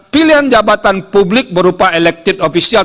pilihan jabatan publik berupa elected official